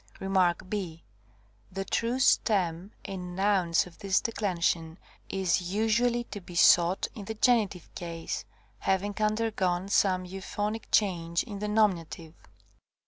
Rem. ὃ. The true stem, in nouns of this declension, is usually to be . sought in the genitive case, having undergone some euphonic change in the nominative.